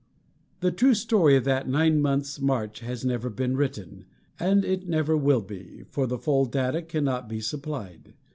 The true story of that nine months' march has never been written, and it never will be, for the full data cannot be supplied.